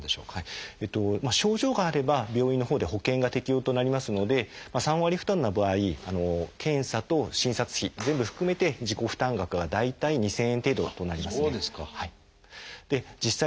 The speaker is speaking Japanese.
症状があれば病院のほうでは保険が適用となりますので３割負担の場合検査と診察費全部含めて自己負担額が大体２，０００円程度となりますね。